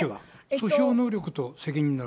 訴訟能力と責任能力。